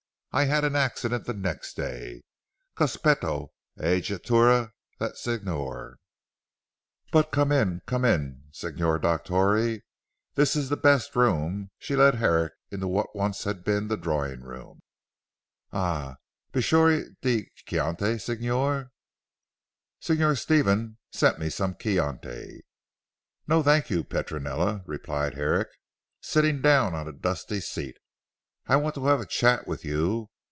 I had an accident the next day. Cospetto; a jettatura that Signor. But come in, come in, Signor Dottore. This is the best room," she led Herrick into what had once been the drawing room. "Un bicchiére de Chianti Signor. Signor Stefan sent me some Chianti." "No thank you Petronella," replied Herrick sitting down on a dusty seat, "I want to have a chat with you.